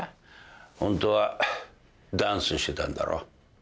ホントはダンスしてたんだろ？